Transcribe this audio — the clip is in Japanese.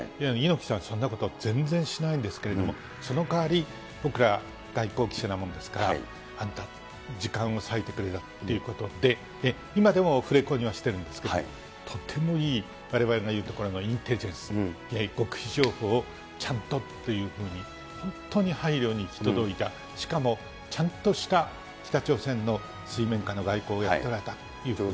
猪木さん、そんなこと全然しないんですけれども、その代わり、僕ら外交記者なもんですから、あんた、時間を割いてくれたということで、今でもオフレコにはしてるんですけど、とてもいい、われわれの言うところのインテリジェンス、極秘情報をちゃんとというふうに、本当に配慮に行き届いた、しかもちゃんとした北朝鮮の水面下の外交をやっておられた。